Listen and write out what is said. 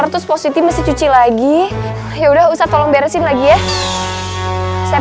udah tau disuruh belajar sama ustadz ustadz